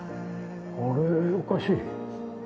あれー、おかしい。